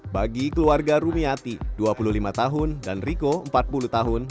bagi keluarga rumiati dua puluh lima tahun dan riko empat puluh tahun